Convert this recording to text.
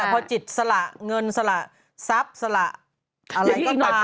พอจิตสละเงินสละทรัพย์อย่างนี้อีกหน่อย